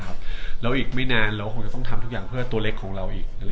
แล้วอีกไม่นานเราก็คงจะต้องทำทุกอย่างเพื่อตัวเล็กของเราอีก